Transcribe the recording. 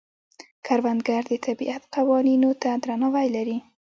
کروندګر د طبیعت قوانینو ته درناوی لري